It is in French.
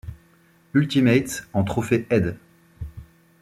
Ultimate en trophée aide.